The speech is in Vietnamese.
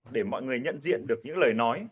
để mọi người nhận diện được những lời nói